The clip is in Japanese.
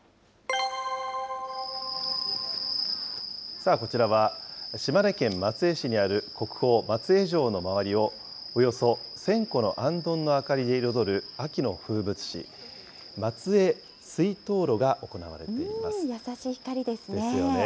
さあ、こちらは、島根県松江市にある国宝、松江城の周りをおよそ１０００個のあんどんの明かりで彩る秋の風物詩、松江水燈路が行われています。ですよね。